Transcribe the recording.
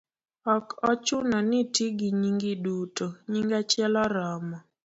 ok ochuno ni iti gi nyingi duto; nying achiel oromo.